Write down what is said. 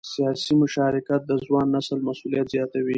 سیاسي مشارکت د ځوان نسل مسؤلیت زیاتوي